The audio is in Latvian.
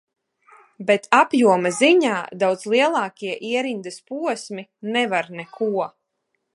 Bet apjoma ziņā daudz lielākie ierindas posmi nevar neko.